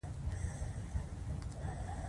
نوی کګوتلا هم تاسیس شو.